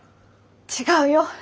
違うよ。